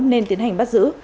nên tiến hành bắt giữ